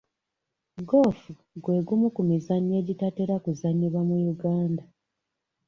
Goofu gwe gumu ku mizannyo egitatera kuzannyibwa mu Uganda.